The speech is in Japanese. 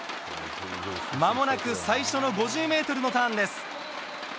まもなく最初の５０ｍのターンです。